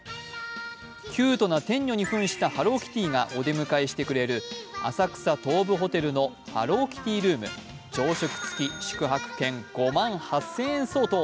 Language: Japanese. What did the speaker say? キュートな天女にふんしたハローキティがお出迎えしてくれる浅草東武ホテルのハローキティルーム、朝食付き宿泊券５万８０００円相当。